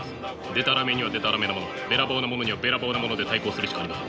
でたらめにはでたらめなものべらぼうなものにはべらぼうなもので対抗するしかありません。